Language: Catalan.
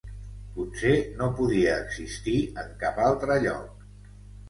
Potser no podia existir en cap altre lloc.